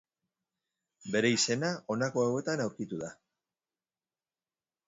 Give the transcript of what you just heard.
Bere izena, honako hauetan aurkitu da.